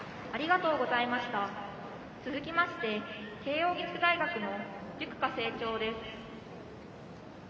続きまして慶応義塾大学の塾歌清聴です。